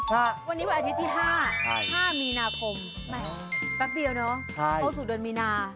วันนี้วันอาทิตย์ที่๕มีนาคมแป๊บเดียวเนอะเข้าสู่เดือนมีนา